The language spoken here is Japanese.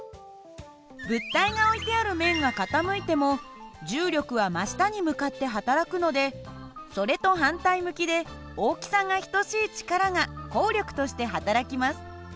物体が置いてある面が傾いても重力は真下に向かってはたらくのでそれと反対向きで大きさが等しい力が抗力としてはたらきます。